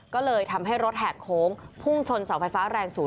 ก็เลยทำให้รถแหกโค้งพุ่งชนเสาไฟฟ้าแรงสูง